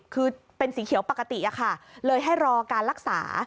คือเป็นสีเขียวปกติอะค่ะเลยให้รอการรักษา